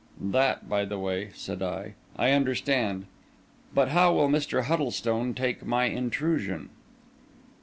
"That by the way," said I. "I understand. But how will Mr. Huddlestone take my intrusion?"